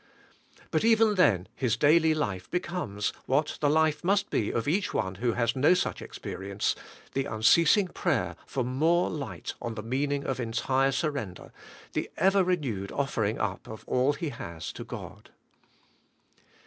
But even then his daily life becomes, what the life must be of each one who has no such experience, the unceasing prayer for more light on tlfe meaning of entire surrender, the ever renewed offering up of all he has to God.